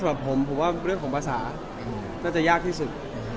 สำหรับผมผมว่าเรื่องของภาษาน่าจะยากที่สุด